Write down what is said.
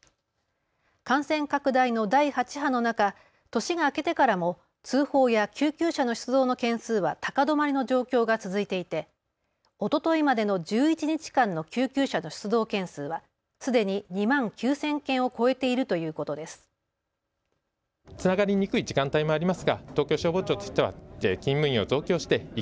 感染拡大の第８波の中、年が明けてからも通報や救急車の出動の件数は高止まりの状況が続いていておとといまでの１１日間の救急車の出動件数はすでに２万９０００件を超えているということです。